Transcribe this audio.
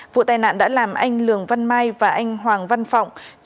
vụ tai nạn đã làm anh lường văn mai và anh hoàng văn phọng